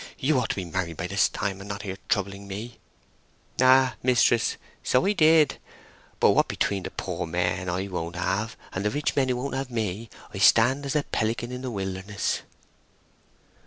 You ought to be married by this time, and not here troubling me!" "Ay, mistress—so I did. But what between the poor men I won't have, and the rich men who won't have me, I stand as a pelican in the wilderness!"